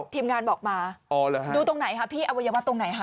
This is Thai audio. เทียมงานบอกมาดูอวัยวัลตรงไหนค่ะ